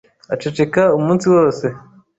Aceceka umunsi wose.